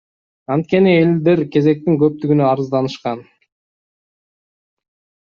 Анткени элдер кезектин көптүгүнө арызданышкан.